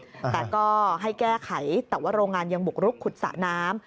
แต่ก็ให้แก้ไขแต่ว่าโรงงานยังบุกรุกขุดสระน้ำ